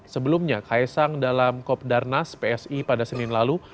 sebelumnya kaisang dalam kop darnas psi pada senin lalu